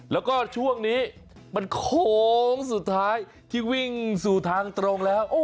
แล้วก็ช่วงนี้มันโค้งสุดท้ายที่วิ่งสู่ทางตรงแล้ว